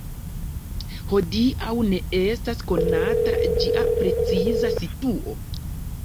Hodiaŭ ne estas konata ĝia preciza situo.